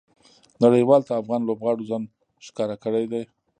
نړۍوالو ته افغان لوبغاړو ځان ښکاره کړى دئ.